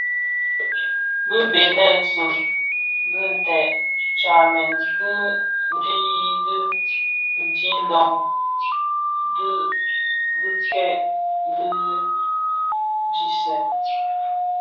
Bi bënèsun dhi ted tsamèn ki dhiyi di dhiňdoon di bikei di dhi di nsèň: